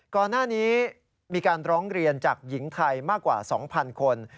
ก่อนหน้านี้มีการร้องเรียนจากหญิงไทยมากกว่า๒๐๐คน